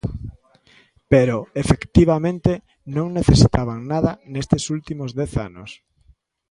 Pero, efectivamente, non necesitaban nada nestes últimos dez anos.